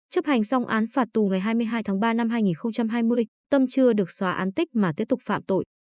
chấp hành xong án phạt tù ngày hai mươi hai tháng ba năm hai nghìn hai mươi tâm chưa được xóa án tích mà tiếp tục phạm tội